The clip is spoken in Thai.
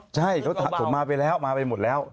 ใช่เขาผมมาไปแล้วมาไปหมดแล้ว